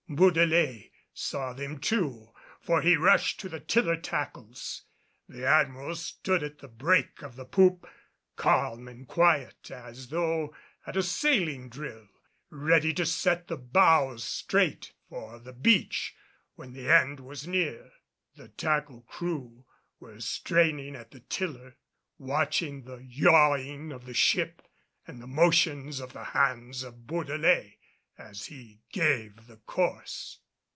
Bourdelais saw them too, for he rushed to the tiller tackles. The Admiral stood at the break of the poop, calm and quiet as though at a sailing drill, ready to set the bows straight for the beach when the end was near. The tackle crew were straining at the tiller watching the yawing of the ship and the motions of the hands of Bourdelais as he gave the course.